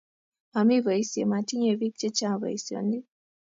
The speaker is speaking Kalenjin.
mamii boisie, matinyei biik che chang' boisionik